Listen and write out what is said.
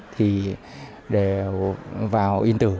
thì đều vào yên tử